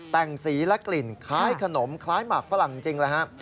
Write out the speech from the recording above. แต่งสีและกลิ่นคล้ายขนมคล้ายหมากฝรั่งจริงเลยครับ